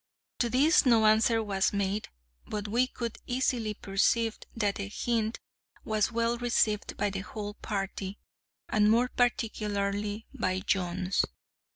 To this no answer was made, but we could easily perceive that the hint was well received by the whole party, and more particularly by Jones.